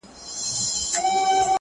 فقير نه يمه سوالگر دي اموخته کړم!